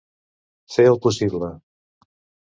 Fer el possible.